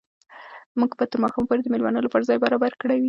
موږ به تر ماښامه پورې د مېلمنو لپاره ځای برابر کړی وي.